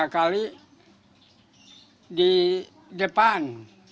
tiga kali di depan